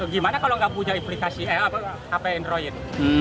gimana kalau nggak punya aplikasi eh apa hp android